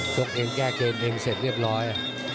ชกเองแก้เกมเองเสร็จเรียบร้อย